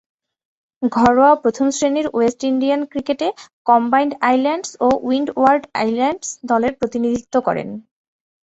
ঘরোয়া প্রথম-শ্রেণীর West Indian ক্রিকেটে কম্বাইন্ড আইল্যান্ডস ও উইন্ডওয়ার্ড আইল্যান্ডস দলের প্রতিনিধিত্ব করেন।